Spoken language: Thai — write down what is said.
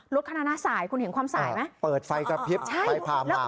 คณะหน้าสายคุณเห็นความสายไหมเปิดไฟกระพริบไปพามา